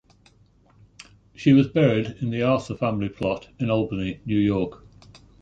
She was buried in the Arthur family plot in Albany, New York.